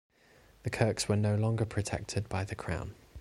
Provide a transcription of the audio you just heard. The Kirkes were no longer protected by the crown.